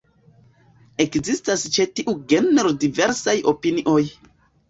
Ekzistas ĉe tiu genro diversaj opinioj.